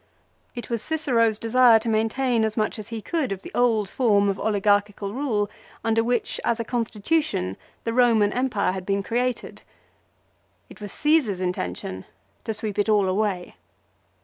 It was Cicero's desire to rnaintaia as much as he could of the old form of oligarchical rule under which, as a constitution, the Eoman Empire had been created. It was Caesar's intention to sweep it all away.